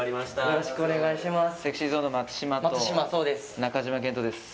よろしくお願いします